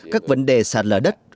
các vấn đề sản lửa đất